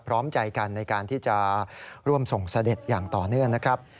พร้อมใจกันในการที่จะร่วมส่งเสด็จอย่างต่อเนื่องนะครับ